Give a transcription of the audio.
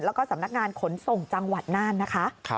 แล้วก็สำนักงานขนส่งจังหวัดน่านนะคะ